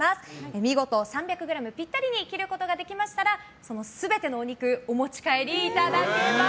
見事３００ｇピッタリに切ることができましたらその全てのお肉お持ち帰りいただけます。